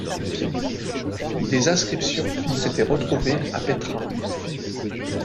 Des inscriptions ont été retrouvées à Pétra.